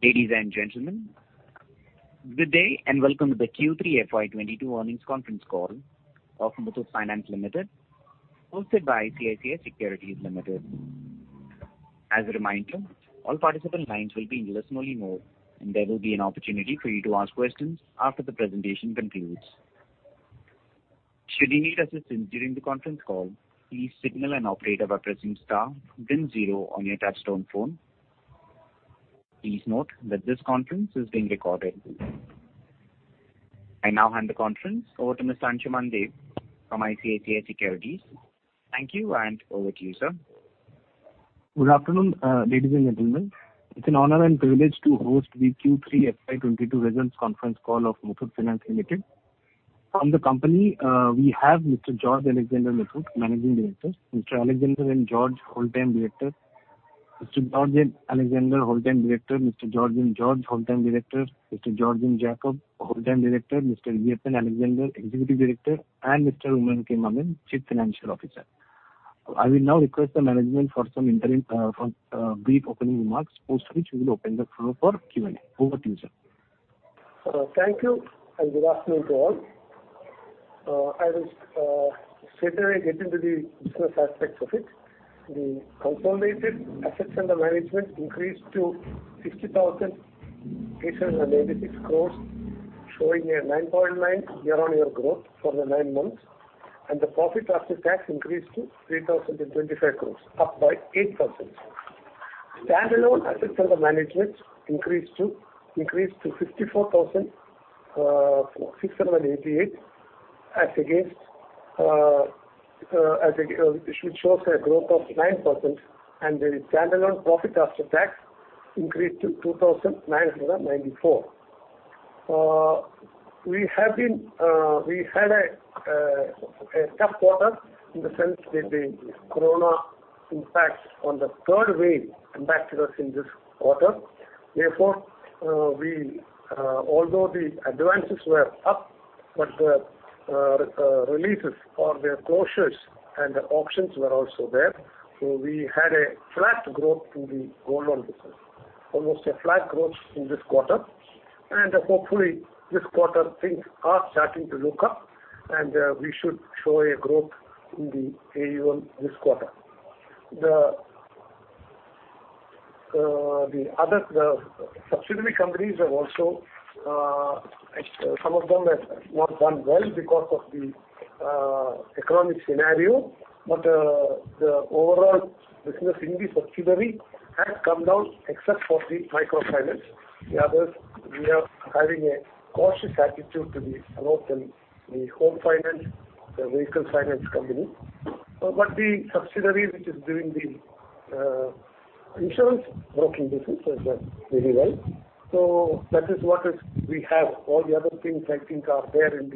Ladies and gentlemen, good day, and welcome to the Q3 FY22 earnings conference call of Muthoot Finance Limited, hosted by ICICI Securities Limited. As a reminder, all participant lines will be in listen-only mode, and there will be an opportunity for you to ask questions after the presentation concludes. Should you need assistance during the conference call, please signal an operator by pressing star then zero on your touchtone phone. Please note that this conference is being recorded. I now hand the conference over to Mr. Ansuman Deb from ICICI Securities. Thank you, and over to you, sir. Good afternoon, ladies and gentlemen. It's an honor and privilege to host the Q3 FY 2022 results conference call of Muthoot Finance Limited. From the company, we have Mr. George Alexander Muthoot, Managing Director, Mr. Alexander George Muthoot, Whole Time Director, Mr. George Alexander Muthoot, Whole Time Director, Mr. George M. George, Whole Time Director, Mr. George Jacob Muthoot, Whole Time Director, Mr. Eapen Alexander Muthoot, Executive Director, and Mr. Oommen K. Mammen, Chief Financial Officer. I will now request the management for some brief opening remarks, post which we will open the floor for Q&A. Over to you, sir. Thank you, and good afternoon to all. I will straightaway get into the business aspects of it. The consolidated assets under management increased to 60,886 crores, showing a 9.9% year-on-year growth for the nine months. The profit after tax increased to 3,025 crores, up by 8%. Stand-alone assets under management increased to INR 54,688, which shows a growth of 9%, and the stand-alone profit after tax increased to INR 2,994. We had a tough quarter in the sense that the corona impact on the third wave impacted us in this quarter. Therefore, although the advances were up, but the releases or their closures and the auctions were also there. We had a flat growth in the gold loan business, almost a flat growth in this quarter. Hopefully this quarter things are starting to look up, and we should show a growth in the AUM this quarter. The other subsidiary companies have also, some of them have not done well because of the economic scenario. The overall business in the subsidiary has come down except for the microfinance. The others, we are having a cautious attitude to the amount in the home finance, the vehicle finance company. The subsidiary which is doing the insurance broking business has done really well. That is what we have. All the other things I think are there in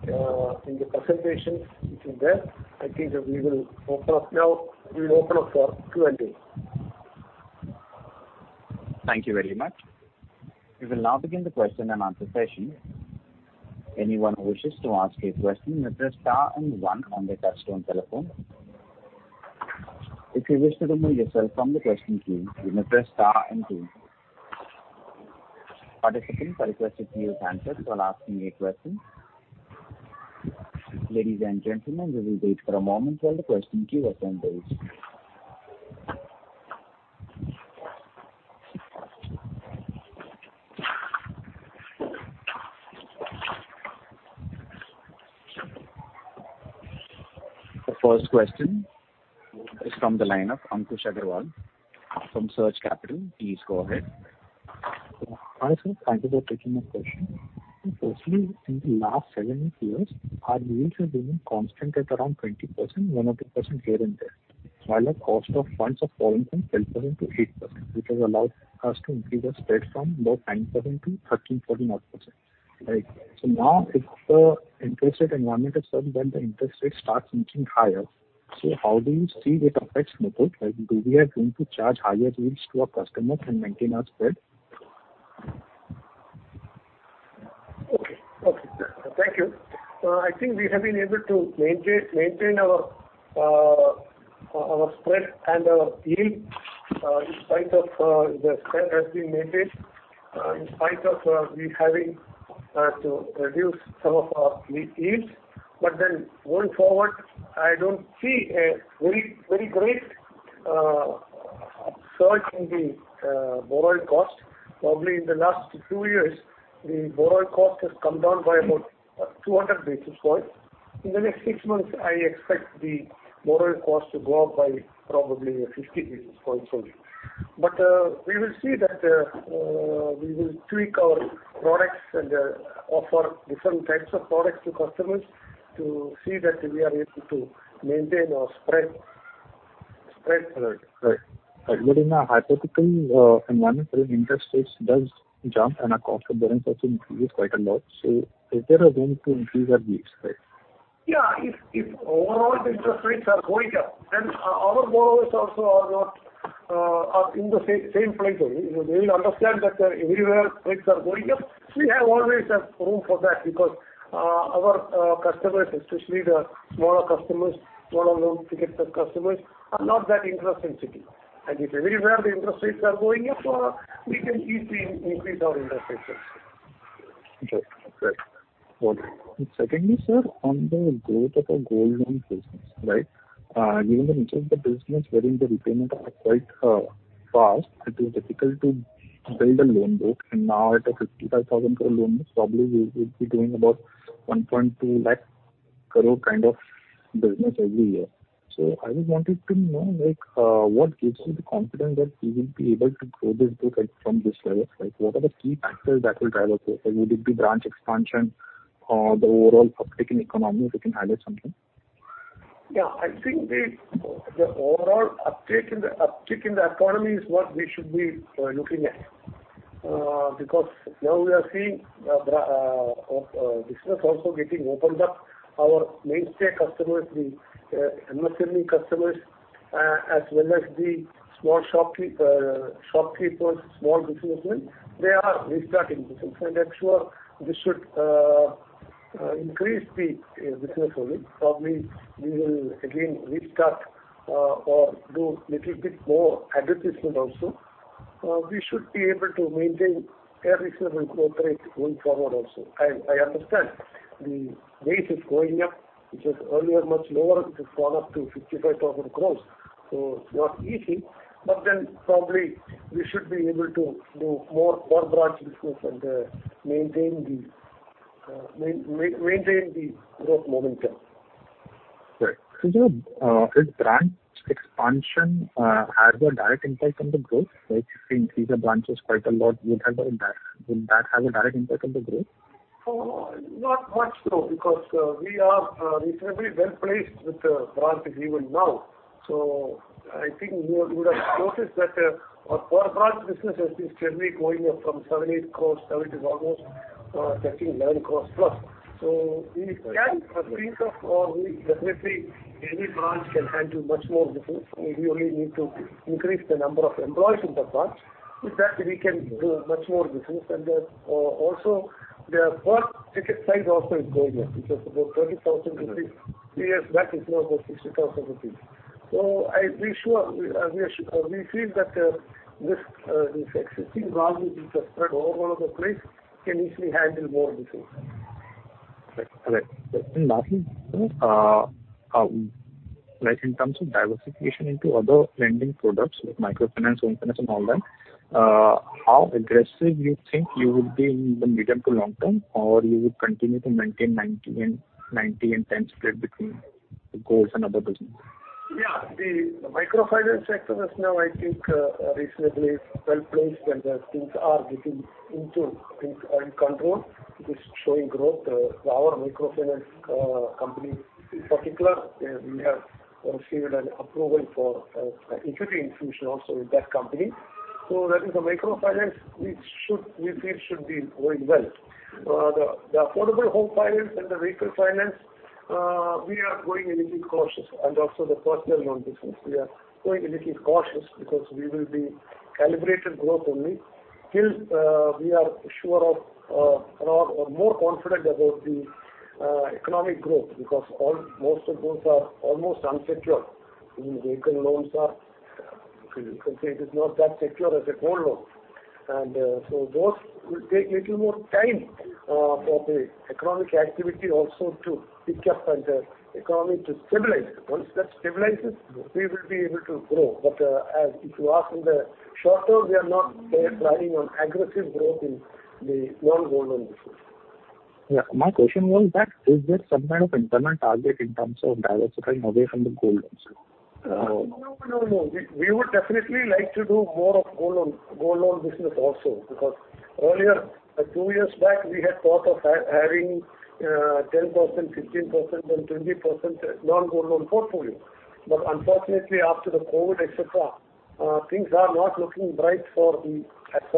the presentation, which is there. I think that we will open up now. We will open up for Q&A. Thank you very much. We will now begin the question and answer session. Anyone who wishes to ask a question may press star and one on their touchtone telephone. If you wish to remove yourself from the question queue, you may press star and two. Participants are requested to use handset while asking a question. Ladies and gentlemen, we will wait for a moment while the question queue assembles. The first question is from the line of Ankush Agrawal from Surge Capital. Please go ahead. Hi, sir. Thank you for taking my question. Mostly in the last seven, eight years, our yields have been constant at around 20%, 1% or 2% here and there. While our cost of funds have fallen from 12% to 8%, which has allowed us to increase our spread from low 9% to 13%, 14% odd. Like, so now if the interest rate environment is such that the interest rate starts inching higher, so how do you see it affects Muthoot? Like, do we are going to charge higher yields to our customers and maintain our spread? Okay. Thank you. I think we have been able to maintain our spread and our yield in spite of having to reduce some of our yields. Going forward, I don't see a very great surge in the borrowing cost. Probably in the last two years, the borrowing cost has come down by about 200 basis points. In the next six months, I expect the borrowing cost to go up by probably 50 basis points only. We will see that we will tweak our products and offer different types of products to customers to see that we are able to maintain our spread level. Right. In a hypothetical environment where interest rates does jump and our cost of borrowings also increase quite a lot. Is there a room to increase our yields spread? Yeah. If overall the interest rates are going up, then our borrowers also are not are in the same plane. They will understand that everywhere rates are going up. We always have room for that because our customers, especially the smaller customers, smaller loan ticket customers, are not that interest sensitive. If everywhere the interest rates are going up, so we can easily increase our interest rates also. Okay. Great. Secondly, sir, on the growth of a gold loan business, right? Given the nature of the business wherein the repayments are quite fast, it is difficult to build a loan book. Now at a 55,000 crore loan book, probably we will be doing about 1.2 lakh crore kind of business every year. I just wanted to know, like, what gives you the confidence that you will be able to grow this book, like, from this level? Like, what are the key factors that will drive up growth? Will it be branch expansion or the overall uptick in economy, if you can add something? Yeah, I think the overall uptick in the economy is what we should be looking at. Because now we are seeing the business also getting opened up. Our mainstay customers, the MSME customers, as well as the small shopkeepers, small businessmen, they are restarting business. I'm sure this should increase the business only. Probably we will again restart or do little bit more advertisement also. We should be able to maintain a reasonable growth rate going forward also. I understand the base is going up, which was earlier much lower. It has gone up to 55,000 crore, so it's not easy. Probably we should be able to do more branch business and maintain the growth momentum. You know, if branch expansion has a direct impact on the growth, like if you increase the branches quite a lot, will that have a direct impact on the growth? Not much so because we are reasonably well-placed with the branches even now. I think you would have noticed that our core branch business has been steadily going up from 7 crores-8 crore. Now it is almost touching 9 crore plus. Any branch can handle much more business. We only need to increase the number of employees in the branch. With that we can do much more business. Also their per ticket size also is going up. It was about 20,000 rupees three years back. It's now about 60,000 rupees. We feel that this existing branch which is spread all over the place can easily handle more business. Right. Like, in terms of diversification into other lending products like microfinance, home finance and all that, how aggressive you think you would be in the medium to long term? You would continue to maintain 90-10 split between the gold and other business? Yeah. The microfinance sector is now I think reasonably well-placed and things are getting under control. It is showing growth. Our microfinance company in particular we have received an approval for equity infusion also in that company. That is the microfinance which should we feel be going well. The affordable home finance and the vehicle finance we are going a little cautious and also the personal loan business. We are going a little cautious because we will be calibrated growth only till we are sure of or more confident about the economic growth because almost all of those are almost unsecured. Even vehicle loans are you can say it is not that secure as a gold loan. Those will take little more time for the economic activity also to pick up and the economy to stabilize. Once that stabilizes, we will be able to grow. If you ask in the short term, we are not planning on aggressive growth in the non-gold loan business. Yeah. My question was that is there some kind of internal target in terms of diversifying away from the gold loans? No, no. We would definitely like to do more gold loan business also because earlier two years back, we had thought of having 10%, 15%, then 20% non-gold loan portfolio. Unfortunately after the COVID, et cetera, things are not looking bright, as far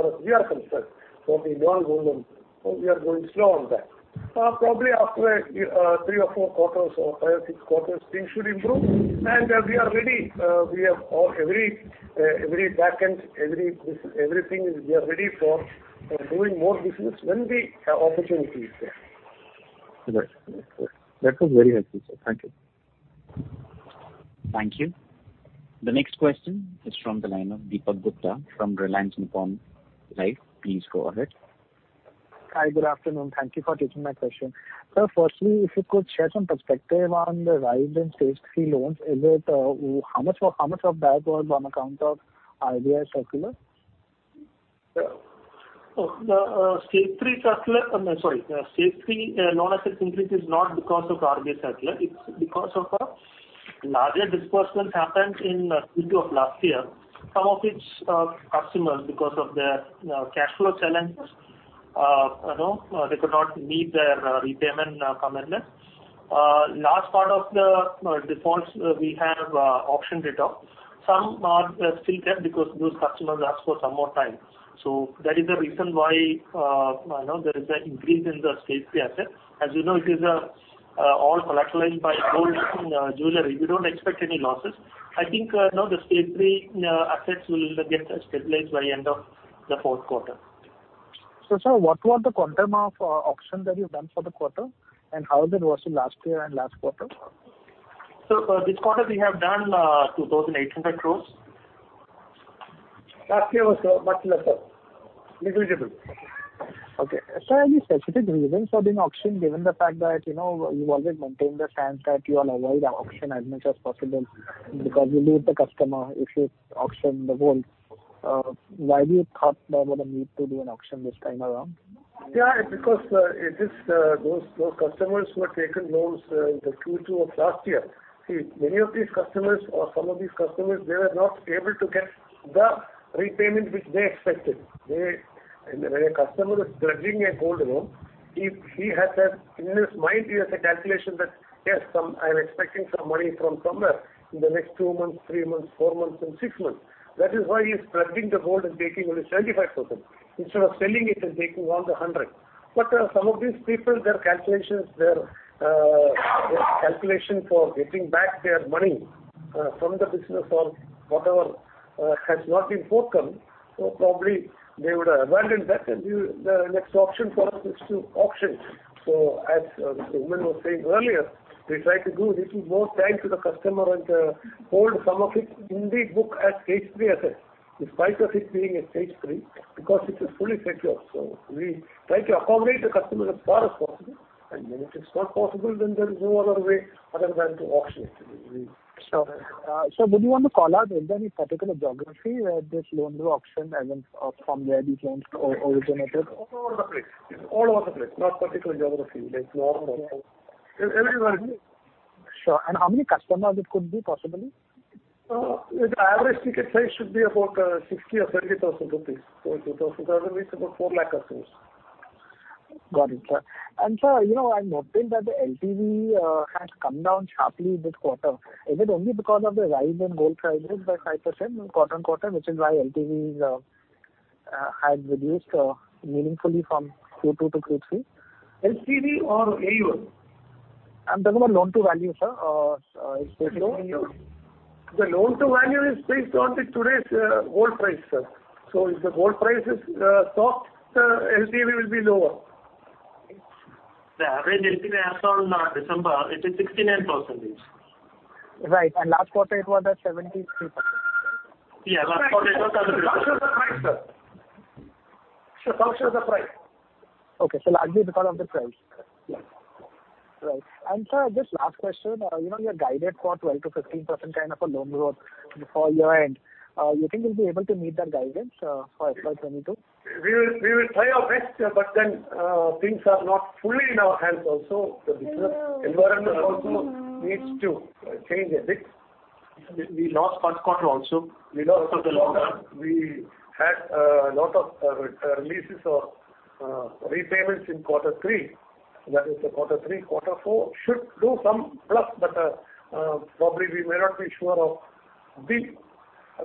as we are concerned, for the non-gold loan. We are going slow on that. Probably after three or four quarters or five, six quarters, things should improve. We are ready. We have all the backend, everything is ready for doing more business when the opportunity is there. Right. That was very helpful, sir. Thank you. Thank you. The next question is from the line of Deepak Gupta from Reliance Nippon Life. Please go ahead. Hi. Good afternoon. Thank you for taking my question. Sir, firstly, if you could share some perspective on the rise in Stage 3 loans. Is it, how much of that was on account of RBI circular? Stage 3 loan asset increase is not because of RBI circular. It's because of a larger disbursement happened in Q2 of last year. Some of its customers because of their cash flow challenges, you know, they could not meet their repayment commitment. Large part of the defaults, we have auctioned it off. Some are still there because those customers asked for some more time. That is the reason why, you know, there is an increase in the Stage 3 asset. As you know, it is all collateralized by gold and jewelry. We don't expect any losses. I think now the Stage 3 assets will get stabilized by end of the fourth quarter. Sir, what was the quantum of auction that you've done for the quarter, and how is it versus last year and last quarter? For this quarter we have done 2,800 crore. Last year was much lesser. Negligible. Okay. Sir, any specific reasons for doing auction given the fact that, you know, you always maintain the stance that you all avoid auction as much as possible because you lose the customer if you auction the gold. Why did you think there was a need to do an auction this time around? Yeah, because it is those customers who had taken loans in the Q2 of last year. See, many of these customers or some of these customers, they were not able to get the repayment which they expected. They. When a customer is pledging a gold loan, he has that in his mind, he has a calculation that, "Yes, some I am expecting some money from somewhere in the next two months, three months, four months and six months." That is why he is pledging the gold and taking only 75% instead of selling it and taking all the 100. But some of these people, their calculations, their calculation for getting back their money from the business or whatever has not been forthcoming. Probably they would have abandoned that, and the next option for us is to auction. As Oommen K. Mammen was saying earlier, we try to give little more time to the customer and hold some of it in the book as Stage 3 asset, in spite of it being a Stage 3, because it is fully secured. We try to accommodate the customer as far as possible, and then if it's not possible, then there is no other way other than to auction it. We- Sure. Sir, would you want to call out is there any particular geography where these loans were auctioned and then, from where these loans originated? All over the place. Not particular geography. Like normal. Everywhere. Sure. How many customers it could be possibly? The average ticket size should be about 60,000 or 70,000 rupees. 2,000 rupees, about 400,000 customers. Got it, sir. Sir, you know, I'm noting that the LTV has come down sharply this quarter. Is it only because of the rise in gold prices by 5% quarter-on-quarter, which is why LTVs had reduced meaningfully from Q2 to Q3? LTV or AUM? I'm talking about loan-to-value, sir, expressed loan. The loan-to-value is based on the today's gold price, sir. If the gold price is soft, LTV will be lower. The average LTV as on December is 69%. Right. Last quarter it was at 73%. Yeah. Last quarter it was at. Function of the price, sir. Okay. Largely because of the price. Yes. Right. Sir, just last question. You know, you have guided for 12%-15% kind of a loan growth before year-end. You think you'll be able to meet that guidance for FY 2022? We will try our best, but things are not fully in our hands also. The business environment also needs to change a bit. We lost first quarter also. We lost a lot of. We had a lot of releases or repayments in quarter three. That is quarter three. Quarter four should do some plus, but probably we may not be sure of big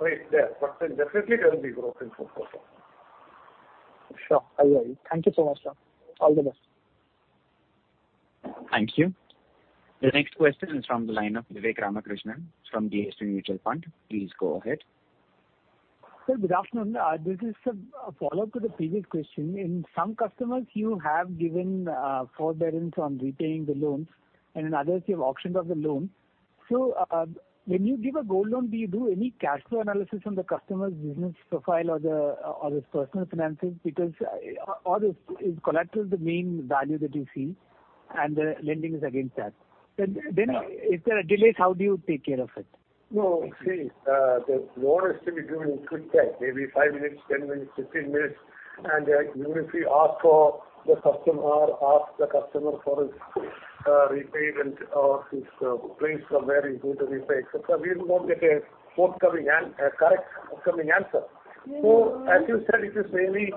rate there. Definitely there will be growth in fourth quarter. Sure. I hear you. Thank you so much, sir. All the best. Thank you. The next question is from the line of Vivek Ramakrishnan from DSP Mutual Fund. Please go ahead. Sir, good afternoon. This is a follow-up to the previous question. In some customers, you have given forbearance on repaying the loans, and in others, you have auctioned off the loan. When you give a gold loan, do you do any cash flow analysis on the customer's business profile or his personal finances? Because is collateral the main value that you see and the lending is against that. If there are delays, how do you take care of it? No. See, the loan has to be given in quick time, maybe five minutes, 10 minutes, 15 minutes. Even if we ask the customer for his repayment or his place from where he's going to repay, et cetera, we will not get a forthcoming and a correct answer. As you said, it is mainly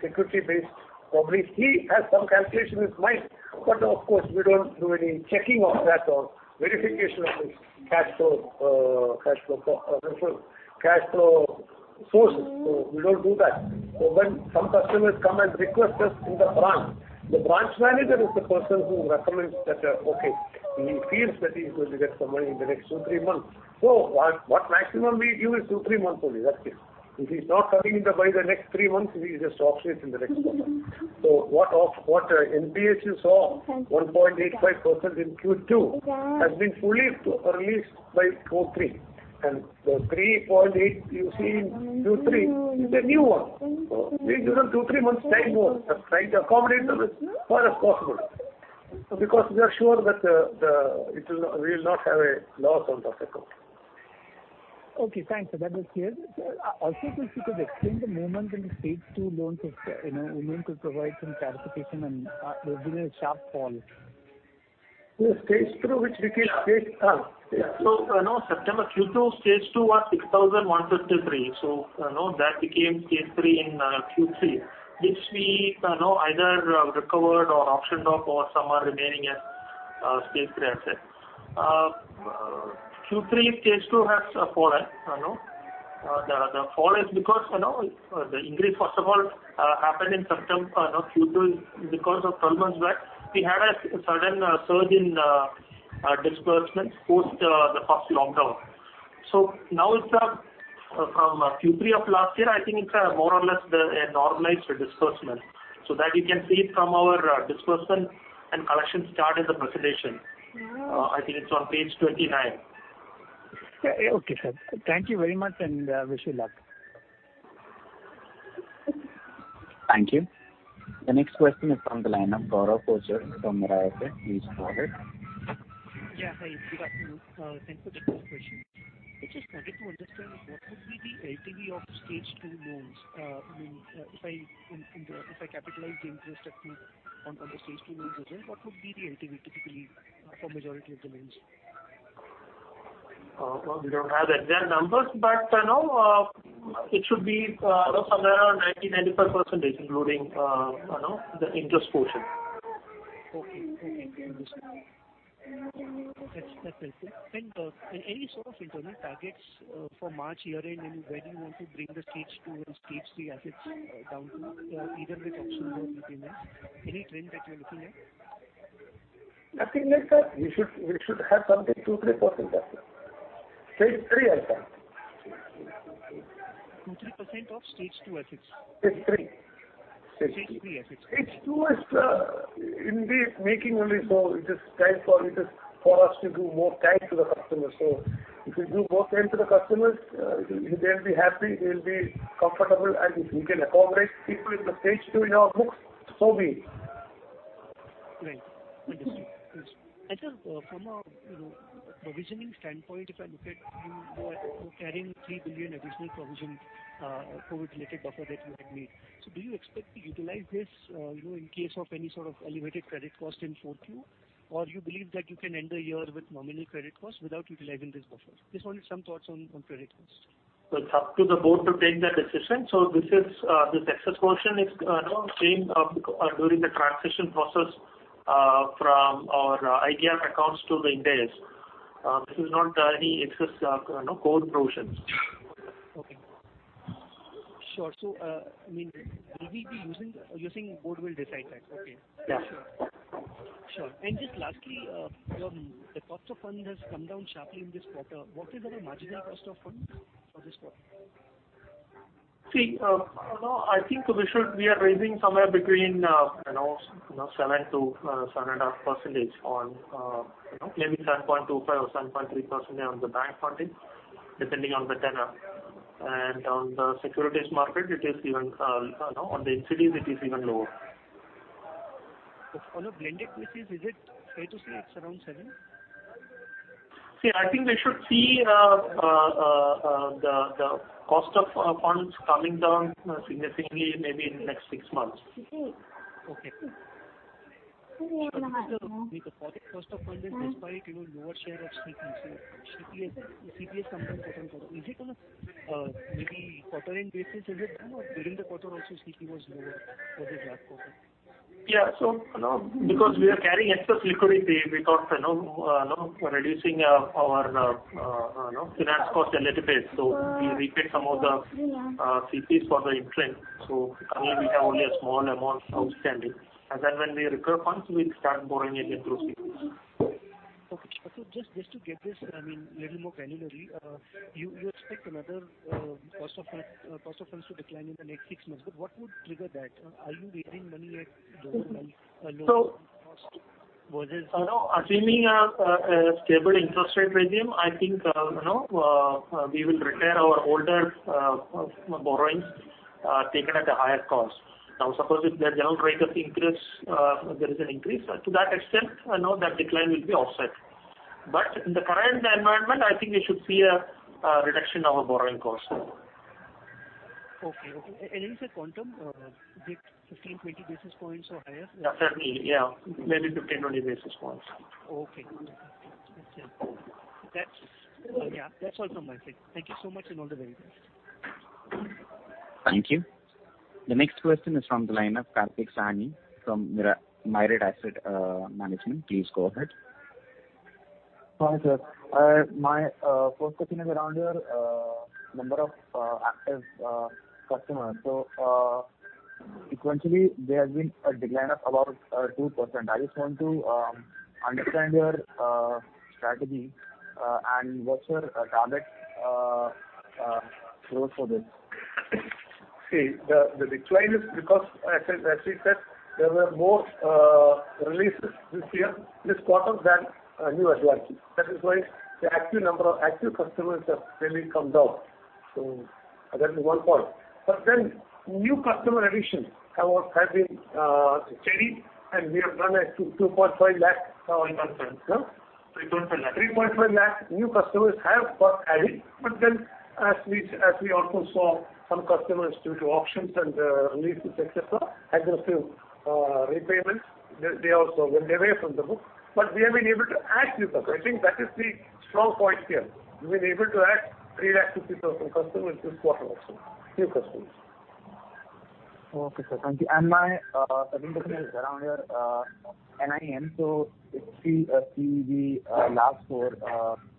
security based. Probably he has some calculation in his mind, but of course, we don't do any checking of that or verification of his cash flow sources. When some customers come and request us in the branch, the branch manager is the person who recommends that, okay, he feels that he is going to get some money in the next two, three months. What maximum we give is two, three months only, that's it. If he's not coming by the next three months, we just auction it in the next quarter. What NPAs you saw, 1.85% in Q2, has been fully released by Q3. The 3.8% you see in Q3 is a new one. We give them two, three months time more. Try to accommodate them as far as possible, because we are sure that we will not have a loss on that account. Okay. Thanks, sir. That was clear. Sir, also if you could explain the movement in the Stage 2 loans of Muthoot Finance, provide some clarification, and there's been a sharp fall. The Stage 2 which became Stage. You know, September Q2 Stage 2 was 6,153. You know, that became Stage 3 in Q3, which we, you know, either recovered or auctioned off or some are remaining as Stage 3 asset. Q3 Stage 2 has fallen, you know. The fall is because, you know, the increase first of all happened in Q2 because of problems where we had a sudden surge in disbursements post the first lockdown. Now it's from Q3 of last year, I think it's more or less the normalized disbursement. That you can see it from our disbursement and collection chart in the presentation. Mm-hmm. I think it's on Page 29. Yeah. Okay, sir. Thank you very much, and wish you luck. Thank you. The next question is from the line of Gaurav Kochar from Mirae Asset. Please go ahead. Yeah. Hi, good afternoon. Thanks for the clear questions. I just wanted to understand what would be the LTV of Stage 2 loans. I mean, if I capitalize the interest that is on the Stage 2 loans we take, what would be the LTV typically for majority of the loans? Well, we don't have the exact numbers, but, you know, it should be, you know, somewhere around 90%-95% including, you know, the interest portion. Okay. Understood. That's helpful. Any sort of internal targets for March year-end and where do you want to bring the Stage 2 and Stage 3 assets down to, either with auctions or repayments? Any trend that you're looking at? Nothing like that. We should have something 2%-3%, that's it. Stage 3, I thought. 2%-3% of Stage 2 assets? Stage 3. Stage 3 assets. Stage 2 is in the making only, so it is time for us to give more time to the customers. If we give more time to the customers, they'll be happy, they'll be comfortable, and if we can accommodate people in the Stage 2 in our books, so be it. Right. Understood. From a, you know, provisioning standpoint, if I look at, you know, you are carrying 3 billion additional provision, COVID-related buffer that you had made. Do you expect to utilize this in case of any sort of elevated credit cost in Q4, or you believe that you can end the year with nominal credit costs without utilizing this buffer? Just wanted some thoughts on credit costs. It's up to the board to take that decision. This excess portion, you know, came up during the transition process from our IRAC accounts to the NPLs. This is not any excess, you know, core provisions. Okay. Sure. I mean, the board will decide that. Okay. Yeah. Sure. Just lastly, your cost of funds has come down sharply in this quarter. What is your marginal cost of funds for this quarter? We are raising somewhere between, you know, 7%-7.5% on, you know, maybe 7.25% or 7.3% on the bank funding, depending on the tenor. On the securities market it is even lower on the NCDs. On a blended basis, is it fair to say it's around 7%? See, I think we should see the cost of funds coming down significantly maybe in the next six months. With the falling cost of funds and despite, you know, lower share of CP's, so CP has come down quarter-on-quarter. Is it on a, maybe quarter-end basis is it down or during the quarter also CP was lower for this last quarter. Yeah. You know, because we are carrying excess liquidity, we thought, you know, you know, reducing our finance cost a little bit. We repaid some of the CPs for the interim. Currently we have only a small amount outstanding. Then when we require funds, we'll start borrowing again through CPs. Okay. Just to get this, I mean, little more granularly. You expect another cost of funds to decline in the next six months, but what would trigger that? Are you raising money at lower cost versus- You know, assuming a stable interest rate regime, I think, you know, we will retire our older borrowings taken at a higher cost. Now, suppose if the general rate of interest there is an increase, to that extent, you know, that decline will be offset. In the current environment, I think we should see a reduction of our borrowing costs. Okay. Any say quantum? Be it 15, 20 basis points or higher? Yeah. Certainly, yeah. Maybe 15-20 basis points. Okay. Wonderful. That's, yeah. That's all from my side. Thank you so much, and all the very best. Thank you. The next question is from the line of Kartik Sahni from Mirae Asset Management. Please go ahead. Hi, sir. My first question is around your number of active customers. Sequentially there has been a decline of about 2%. I just want to understand your strategy and what's your target growth for this? See, the decline is because as we said, there were more releases this year, this quarter than new advances. That is why the active number of active customers have really come down. That is one point. New customer additions have been steady and we have done 2.5 lakh in one term. No? INR 3.5 lakh new customers have got added, as we also saw some customers due to auctions and releases et cetera, aggressive repayments, they also went away from the book. We have been able to add new customers. I think that is the strong point here. We've been able to add 3 lakh 50,000 customers this quarter also, new customers. Okay, sir. Thank you. My second question is around your NIM. If we see the last four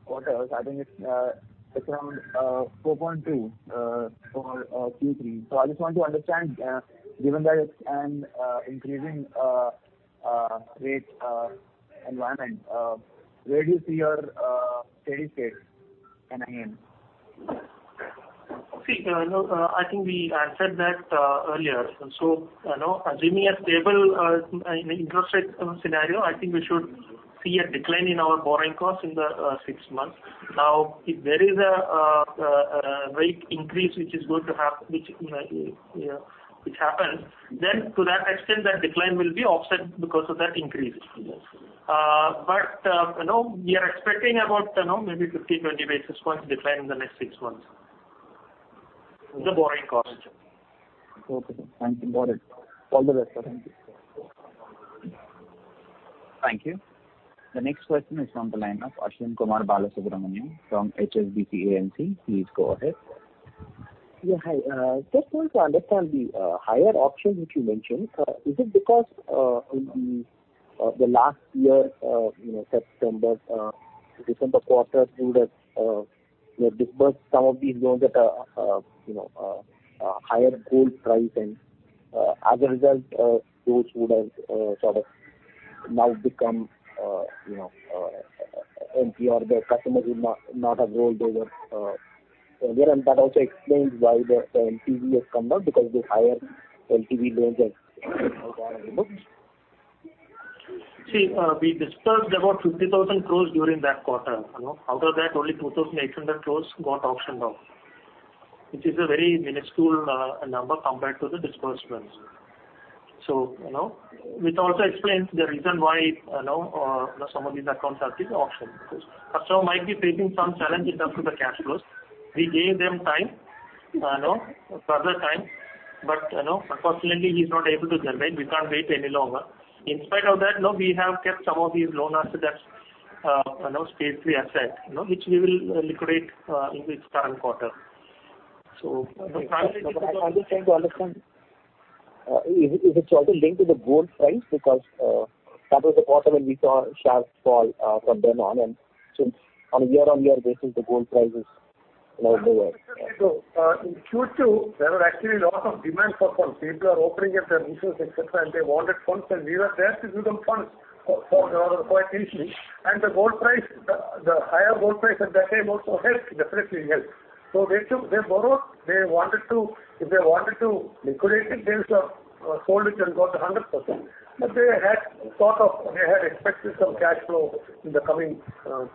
quarters, I think it's around 4.2 for Q3. I just want to understand, given that it's an increasing rate environment, where do you see your steady state NIM? No, I think we answered that earlier. You know, assuming a stable interest rate scenario, I think we should see a decline in our borrowing costs in the six months. Now, if there is a rate increase which, you know, happens, then to that extent that decline will be offset because of that increase. You know, we are expecting about, you know, maybe 50-20 basis points decline in the next six months in the borrowing cost. Okay. Thank you. Got it. All the best. Thank you. Thank you. The next question is from the line of Aswin Kumar Balasubramanian from HSBC AMC. Please go ahead. Yeah, hi. Just want to understand the higher auction which you mentioned. Is it because the last year, you know, September, December quarter you would have, you know, disbursed some of these loans at a, you know, a higher gold price and, as a result, those would have sort of now become, you know, NPA the customers who not have rolled over again, and that also explains why the LTV has come down because the higher LTV loans have available. See, we disbursed about 50,000 crores during that quarter, you know. Out of that only 2,800 crores got auctioned off, which is a very minuscule number compared to the disbursed ones. You know, which also explains the reason why, you know, some of these accounts are being auctioned. Customer might be facing some challenge in terms of the cash flows. We gave them time, you know, further time, but, you know, unfortunately he's not able to generate. We can't wait any longer. In spite of that, you know, we have kept some of these loan assets as, you know, Stage 3 asset, you know, which we will liquidate, in this current quarter. The priority- I'm just trying to understand, is it also linked to the gold price? Because that was the quarter when we saw sharp fall from then on and since on a year-on-year basis, the gold price is now lower. In Q2, there was actually a lot of demand for funds. People are opening up their business, et cetera, and they wanted funds, and we were there to give them funds quite easily. The higher gold price at that time also helped, definitely helped. They borrowed. If they wanted to liquidate it, they would have sold it and got 100%. They had expected some cash flow in the coming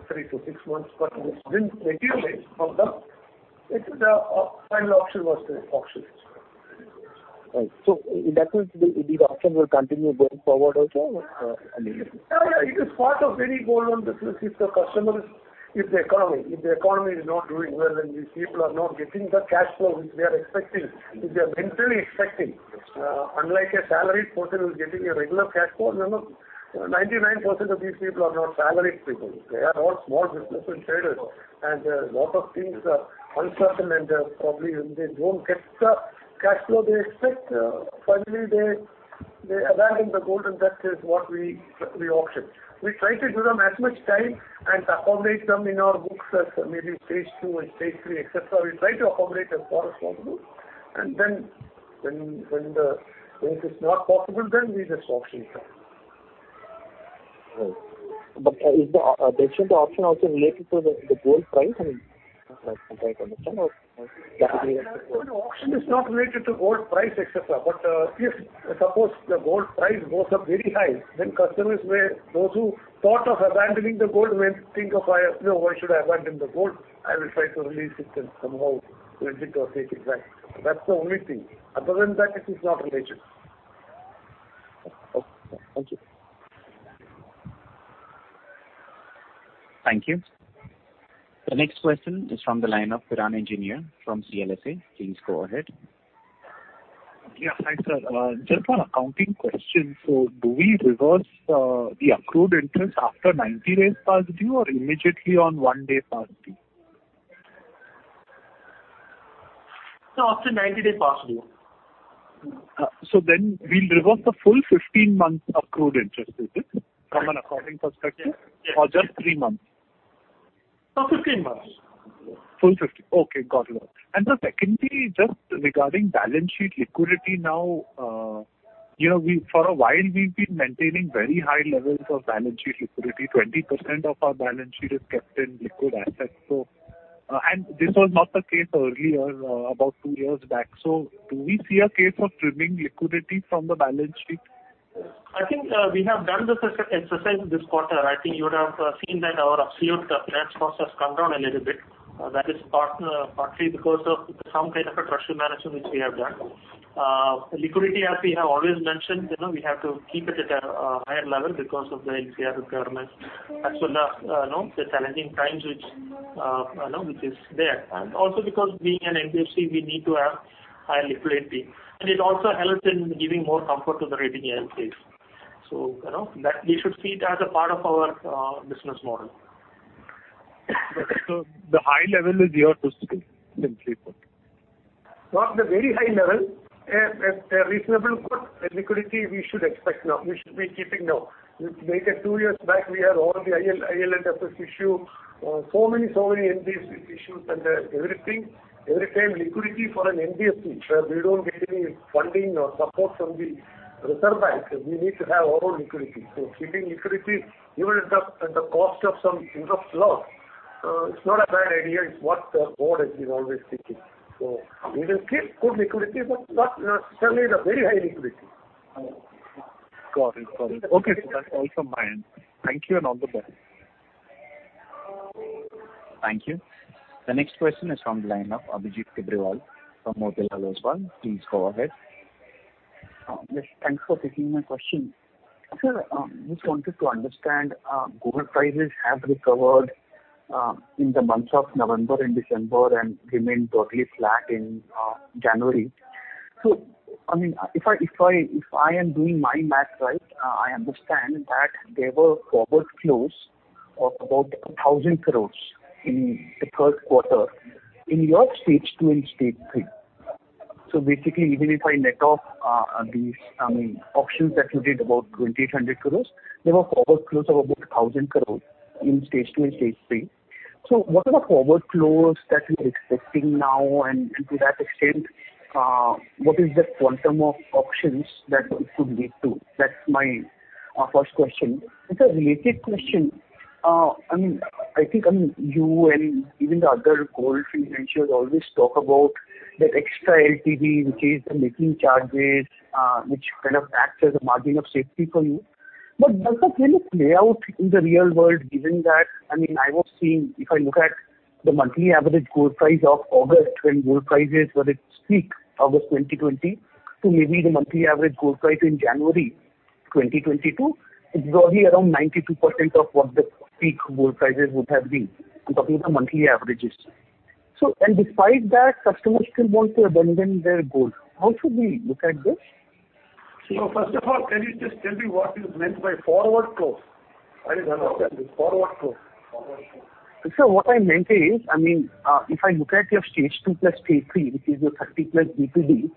three, six months, but which didn't materialize for them. The final auction was auctioned. Right. In that case, these auctions will continue going forward also? Yeah, yeah. It is part of any gold loan business. If the economy is not doing well, then these people are not getting the cash flow which they are expecting, which they are mentally expecting. Unlike a salaried person who is getting a regular cash flow, remember 99% of these people are not salaried people. They are all small business traders, and a lot of things are uncertain and probably if they don't get the cash flow they expect, finally they abandon the gold and that is what we auction. We try to give them as much time and accommodate them in our books as maybe Stage 2 and Stage 3, et cetera. We try to accommodate as far as possible. When that is not possible, then we just auction it. Right. Is the actual auction also related to the gold price? I mean, I'm trying to understand or No, auction is not related to gold price, et cetera. If suppose the gold price goes up very high, then customers may those who thought of abandoning the gold will think of, "Why, you know, why should I abandon the gold? I will try to release it and somehow rent it or take it back." That's the only thing. Other than that, it is not related. Okay. Thank you. Thank you. The next question is from the line of Piran Engineer from CLSA. Please go ahead. Yeah. Hi, sir. Just one accounting question. Do we reverse the accrued interest after 90 days past due or immediately on one day past due? No, after 90 days past due. We'll reverse the full 15 months accrued interest, is it, from an accounting perspective? Yes. Yes. Just three months? No, 15 months. Okay, got it. Sir, secondly, just regarding balance sheet liquidity now, you know, for a while we've been maintaining very high levels of balance sheet liquidity. 20% of our balance sheet is kept in liquid assets. This was not the case earlier, about two years back. Do we see a case of trimming liquidity from the balance sheet? I think we have done this exercise this quarter. I think you would have seen that our absolute cash flows has come down a little bit. That is partly because of some kind of a treasury management which we have done. Liquidity, as we have always mentioned, you know, we have to keep it at a higher level because of the LCR requirements. As well as, you know, the challenging times which, you know, which is there. Also because being an NBFC, we need to have high liquidity. It also helps in giving more comfort to the rating agencies. You know, that we should see it as a part of our business model. The high level is here to stay, simply put. Not the very high level. A reasonable good liquidity we should expect now. We should be keeping now. If taken two years back, we had all the IL&FS issue, so many NBFC issues and everything. Every time liquidity for an NBFC, where we don't get any funding or support from the Reserve Bank, we need to have our own liquidity. Keeping liquidity even at the cost of some interest loss, it's not a bad idea. It's what the board is always thinking. We will keep good liquidity, but not certainly the very high liquidity. Got it. Okay. That's all from my end. Thank you, and all the best. Thank you. The next question is from the line of Abhijit Tibrewal from Motilal Oswal. Please go ahead. Yes. Thanks for taking my question. Sir, just wanted to understand, gold prices have recovered in the months of November and December and remained totally flat in January. I mean, if I am doing my math right, I understand that there were forward flows of about 1,000 crore in the third quarter in your Stage 2 and Stage 3. Basically, even if I net off these, I mean, auctions that you did about 2,800 crore, there were forward flows of about 1,000 crore in Stage 2 and Stage 3. What are the forward flows that you're expecting now? And to that extent, what is the quantum of auctions that it could lead to? That's my first question. The second related question, I mean, you and even the other gold financiers always talk about that extra LTV, which is the making charges, which kind of acts as a margin of safety for you. But does that really play out in the real world, given that I mean, I was seeing if I look at the monthly average gold price of August, when gold prices were at its peak, August 2020, to maybe the monthly average gold price in January 2022, it's roughly around 92% of what the peak gold prices would have been. I'm talking about the monthly averages. Despite that, customers still want to abandon their gold. How should we look at this? First of all, can you just tell me what is meant by forward close? I didn't understand this. Forward close. Sir, what I meant is, I mean, if I look at your Stage 2 plus Stage 3, which is your 30+ B2B,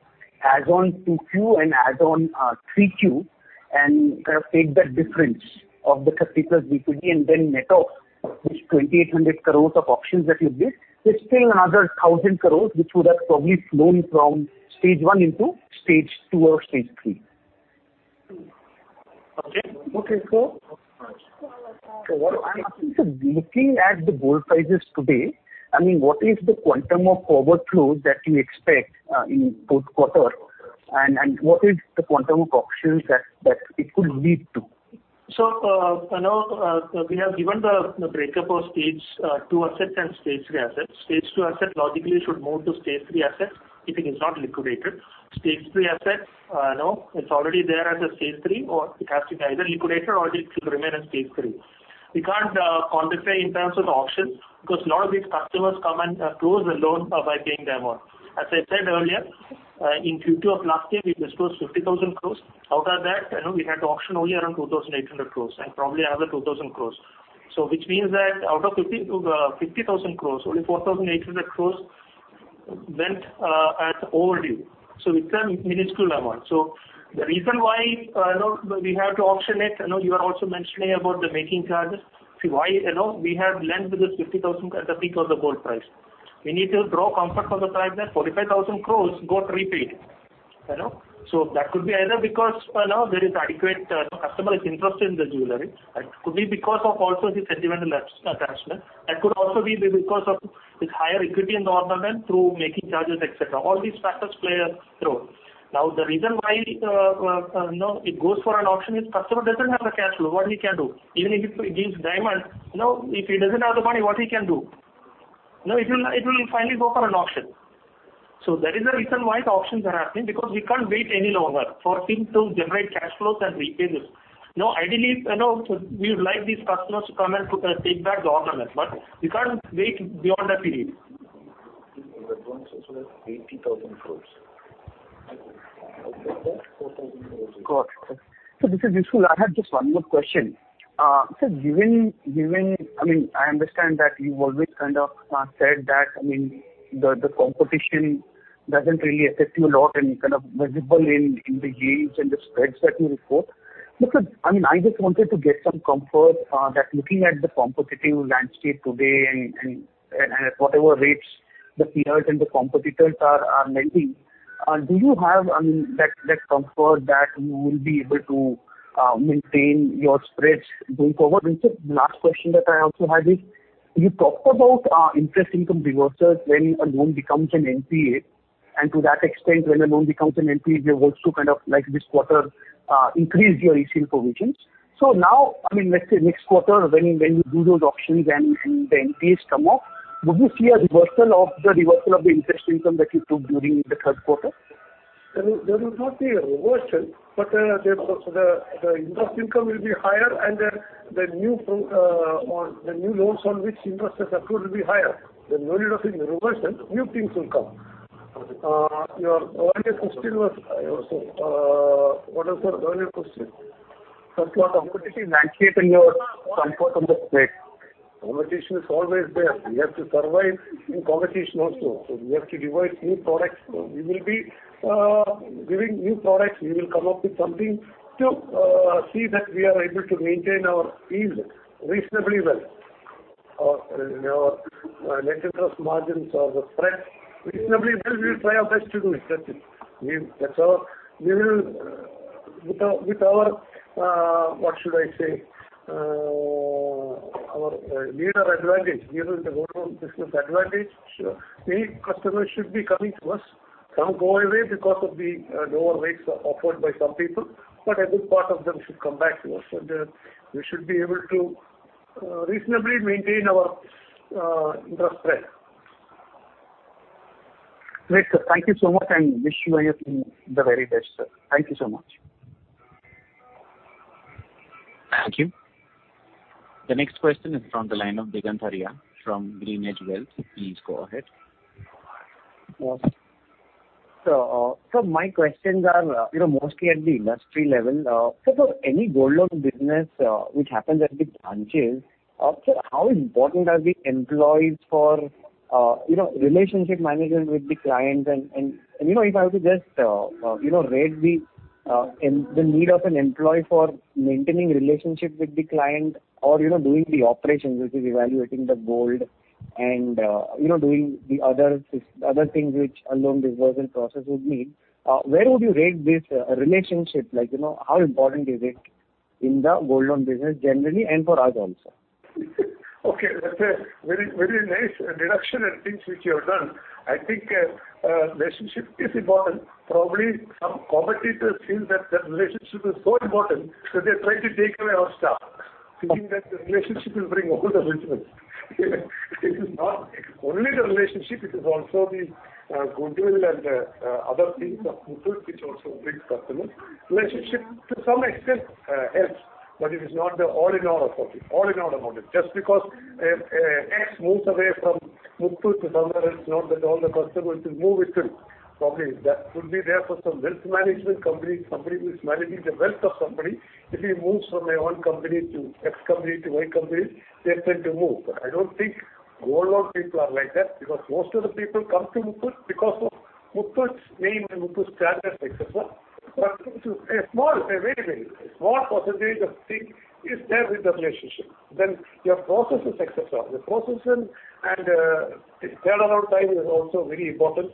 add on Q2 and add on Q3, and kind of take that difference of the 30+ B2B and then net off this 2,800 crores of auctions that you did, there's still another 1,000 crores which would have probably flown from Stage 1 into Stage 2 or Stage 3. Okay. What I'm asking, sir, looking at the gold prices today, I mean, what is the quantum of forward flows that you expect in fourth quarter and what is the quantum of auctions that it could lead to? You know, we have given the breakup of Stage 2 assets and Stage 3 assets. Stage 2 assets logically should move to Stage 3 assets if it is not liquidated. Stage 3 assets, you know, it's already there as a Stage 3, or it has to either liquidate or it will remain in Stage 3. We can't quantify in terms of auctions because a lot of these customers come and close the loan by paying the amount. As I said earlier, in Q2 of last year, we disposed 50,000 crore. Out of that, you know, we had to auction only around 2,800 crore and probably another 2,000 crore. Which means that out of 50,000 crore, only 4,800 crore went as overdue. It's a minuscule amount. The reason why, you know, we have to auction it, you know, you are also mentioning about the making charges. See why, you know, we have lent this 50,000 at the peak of the gold price. We need to draw comfort from the fact that 45,000 crore got repaid. You know. That could be either because, you know, there is adequate customer interest in the jewelry. That could be because of also the sentimental attachment. That could also be because of this higher equity in the ornament through making charges, et cetera. All these factors play a role. Now the reason why, you know, it goes for an auction is customer doesn't have the cash flow. What he can do. Even if he gives diamond, you know, if he doesn't have the money, what he can do. You know, it will finally go for an auction. That is the reason why the auctions are happening, because we can't wait any longer for him to generate cash flows and repay this. You know, ideally, you know, we would like these customers to come and to take back the ornaments, but we can't wait beyond that period. Got it. This is useful. I have just one more question. Sir, given, I mean, I understand that you've always kind of said that, I mean, the competition doesn't really affect you a lot and kind of visible in the yields and the spreads that you report. Sir, I mean, I just wanted to get some comfort that looking at the competitive landscape today and at whatever rates the peers and the competitors are lending, do you have, I mean, that comfort that you will be able to maintain your spreads going forward? Sir, last question that I also had is you talked about interest income reversals when a loan becomes an NPA. To that extent, when a loan becomes an NPA, there was too kind of like this quarter increase your ECL provisions. Now, I mean, let's say next quarter when you do those auctions and the NPAs come off, would you see a reversal of the reversal of the interest income that you took during the third quarter? There will not be a reversal, but the interest income will be higher and the new loans on which interest are accrued will be higher. There's no need of any reversal. New things will come. Got it. Your earlier question was, what was your earlier question? Sir, your competitive landscape and your comfort on the spread? Competition is always there. We have to survive in competition also. We have to devise new products. We will be giving new products. We will come up with something to see that we are able to maintain our yields reasonably well, you know, our net interest margins or the spreads reasonably well. We will try our best to do it. That's it. That's our. We will with our what should I say Our leadership advantage, given the gold loan business advantage. Sure. Any customer should be coming to us. Some go away because of the lower rates offered by some people, but a good part of them should come back to us. We should be able to reasonably maintain our interest spread. Great, sir. Thank you so much, and I wish you everything, the very best, sir. Thank you so much. Thank you. The next question is from the line of Digant Haria from GreenEdge Wealth. Please go ahead. Yes. My questions are, you know, mostly at the industry level. For any gold loan business, which happens at the branches, how important are the employees for, you know, relationship management with the clients and, you know, if I have to just, you know, rate the need of an employee for maintaining relationships with the client or, you know, doing the operations, which is evaluating the gold and, you know, doing the other things which a loan disbursement process would need, where would you rate this relationship? Like, you know, how important is it in the gold loan business generally and for us also? Okay. That's a very, very nice deduction and things which you have done. I think relationship is important. Probably some competitors feel that relationship is so important that they're trying to take away our staff, thinking that the relationship will bring all the business. It is not only the relationship, it is also the goodwill and other things of Muthoot which also brings customers. Relationship to some extent helps, but it is not the all in all about it. Just because an ex moves away from Muthoot to somewhere else, not that all the customers will move with him. Probably that would be there for some wealth management companies. Somebody who is managing the wealth of somebody, if he moves from my own company to X company to Y company, they are trying to move. I don't think gold loan people are like that because most of the people come to Muthoot because of Muthoot's name and Muthoot's standard, et cetera. A very small percentage of things is there with the relationship, your process, et cetera. The process and its turnaround time is also very important.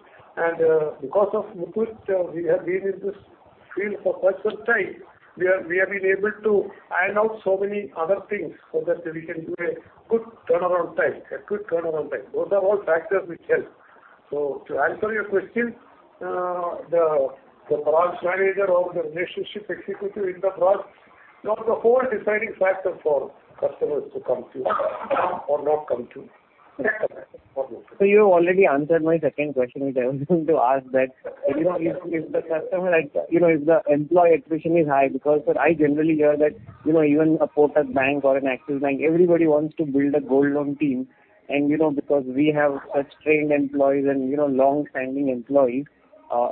Because of Muthoot, we have been in this field for quite some time, we have been able to iron out so many other things so that we can give a good turnaround time. Those are all factors which help. To answer your question, the branch manager or the relationship executive in the branch is not the whole deciding factor for customers to come to us or not come to. You have already answered my second question, which I was going to ask that, you know, if the employee attrition is high because I generally hear that, you know, even a Kotak Bank or an Axis Bank, everybody wants to build a gold loan team and, you know, because we have such trained employees and, you know, long-standing employees,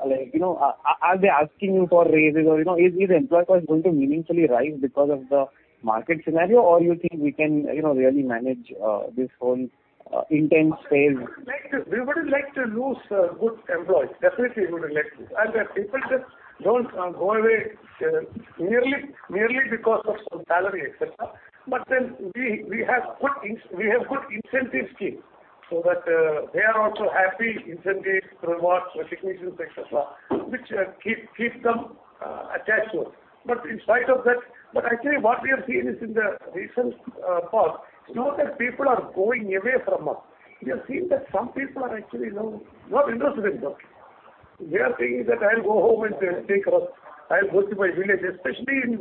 like, you know, are they asking you for raises or, you know, is employee cost going to meaningfully rise because of the market scenario, or you think we can, you know, really manage this whole intense scale? We wouldn't like to lose good employees. Definitely we wouldn't like to. The people just don't go away merely because of some salary, et cetera. We have good incentive scheme so that they are also happy, incentives, rewards, recognitions, et cetera, which keep them attached to us. In spite of that, actually what we are seeing is in the recent past, it's not that people are going away from us. We have seen that some people are actually now not interested in work. They are thinking that I'll go home and stay across. I'll go to my village, especially in